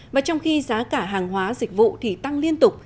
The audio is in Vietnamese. và trong khi giá cả hàng hóa dịch vụ thì tăng liên tục